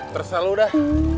terus hal lo dah